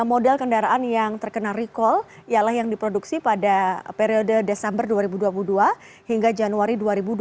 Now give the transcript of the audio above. lima model kendaraan yang terkena recall ialah yang diproduksi pada periode desember dua ribu dua puluh dua hingga januari dua ribu dua puluh